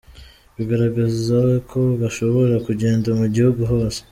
Bigaragaza ko gashobora kugenda mu gihugu hose.